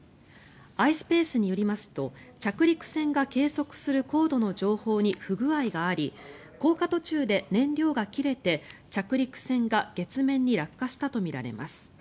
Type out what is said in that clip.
ｉｓｐａｃｅによりますと着陸船が計測する高度の情報に不具合があり降下途中で燃料が切れて着陸船が月面に落下したとみられます。